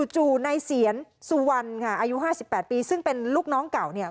จู่ในเสียนสุวรรณค่ะอายุ๕๘ปีซึ่งเป็นลูกน้องเก่าเนี่ย